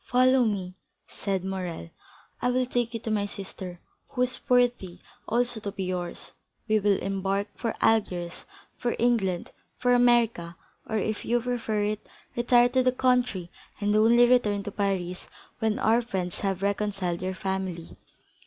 "Follow me," said Morrel; "I will take you to my sister, who is worthy also to be yours. We will embark for Algiers, for England, for America, or, if you prefer it, retire to the country and only return to Paris when our friends have reconciled your family."